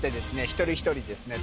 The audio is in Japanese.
一人一人ですね